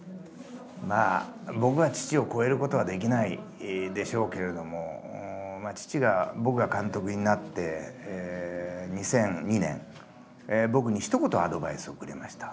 僕が父を超えることはできないでしょうけれども父が僕が監督になって２００２年僕にひと言アドバイスをくれました。